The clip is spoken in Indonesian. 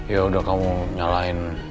ya udah kamu nyalahin